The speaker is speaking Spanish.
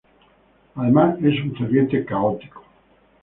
Además es un ferviente católico.